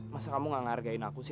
masa kamu gak ngargain aku sih